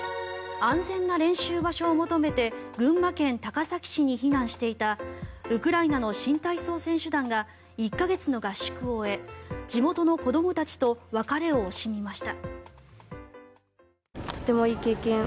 安全な練習場所を求めて群馬県高崎市に避難していたウクライナの新体操選手団が１か月の合宿を終え地元の子どもたちと別れを惜しみました。